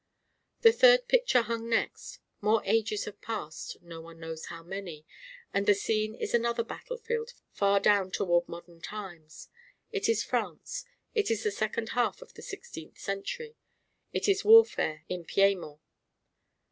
A third picture hung next. More ages have passed, no one knows how many; and the scene is another battle field far down toward modern times. It is France; it is the second half of the sixteenth century; it is warfare in Piedmont.